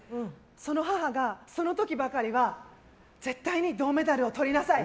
その母が、その時ばかりは絶対に銅メダルをとりなさい！